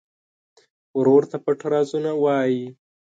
ورور ته پټ رازونه وایې.